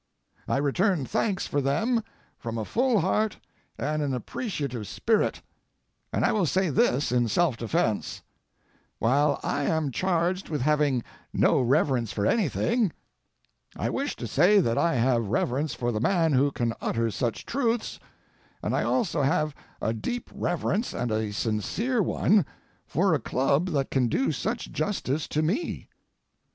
I return thanks for them from a full heart and an appreciative spirit, and I will say this in self defence: While I am charged with having no reverence for anything, I wish to say that I have reverence for the man who can utter such truths, and I also have a deep reverence and a sincere one for a club that can do such justice to me.